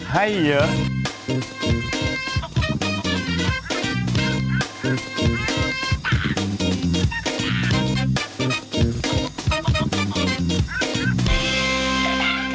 ให้เยอะ